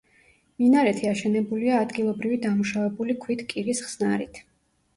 მინარეთი აშენებულია ადგილობრივი დამუშავებული ქვით კირის ხსნარით.